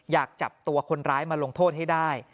อยากจับตัวคนร้ายมาลงโทษให้ได้